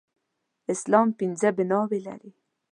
اسلام پنځه بناوې لري